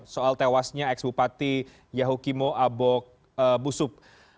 soal tewasnya ex bupati yahukimo abok busub